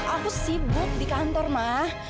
aku sibuk di kantor mah